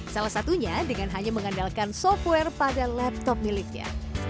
salah satunya dengan hanya mengandalkan software pada laptop miliknya